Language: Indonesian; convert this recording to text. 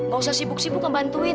gak usah sibuk sibuk ngebantuin